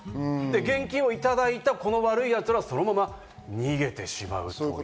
現金をいただいた悪いやつは、そのまま逃げてしまう。